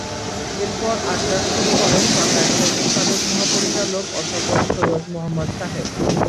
এরপর আড্ডার শুরু করেন বাংলা একাডেমির সাবেক মহাপরিচালক অধ্যাপক সৈয়দ মোহাম্মদ শাহেদ।